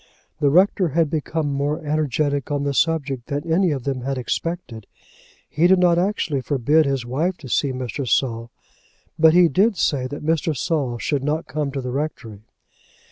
The rector had become more energetic on the subject than any of them had expected. He did not actually forbid his wife to see Mr. Saul, but he did say that Mr. Saul should not come to the rectory.